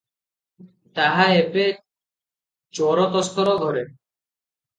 ତାହା ଏବେ ଚୋର ତସ୍କର ଘରେ ।